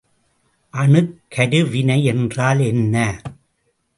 அணுக்கருவினை என்றால் என்ன?